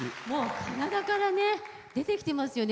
体から出てきてますよね。